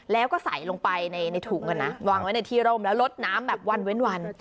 แล้วก็ใส่ลงไปในถุงวางไว้ในที่ร่มแล้วลดน้ำแบบวันเว้นวัน